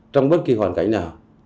trong bất kỳ hoàn cảnh nào